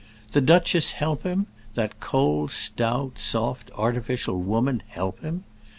The duchess help him—that cold, stout, soft, artificial woman help him?